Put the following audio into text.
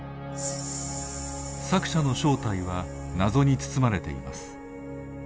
作者の正体は謎に包まれています。